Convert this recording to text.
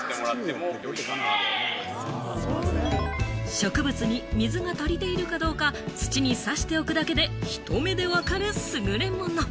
植物に水が足りているかどうか土に挿しておくだけで、ひと目でわかる優れもの。